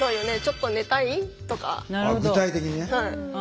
具体的にね。